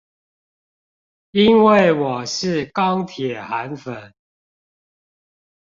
因為我是鋼鐵韓粉